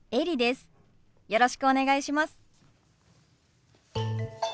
よろしくお願いします。